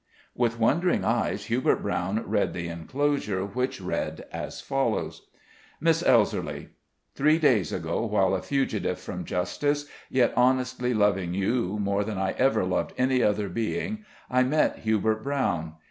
With wondering eyes Hubert Brown read the inclosure, which read as follows: "Miss ELSERLY Three days ago, while a fugitive from justice, yet honestly loving you more than I ever loved any other being, I met Hubert Brown.